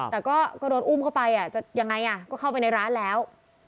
แต่ก็โดนอุ้มเข้าไปจะยังไงก็เข้าไปในร้านแล้ว